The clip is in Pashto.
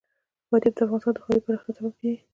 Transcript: فاریاب د افغانستان د ښاري پراختیا سبب کېږي.